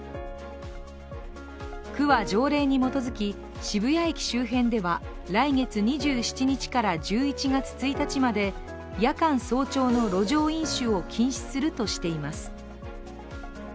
区は条例に基づき、渋谷駅周辺では来月２７日から１１月１日まで夜間・早朝の路上飲酒を禁止するとしています。